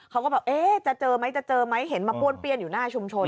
เขาก็แบบจะเจอไหมเห็นมาป้วนเปรี้ยนอยู่หน้าชุมชน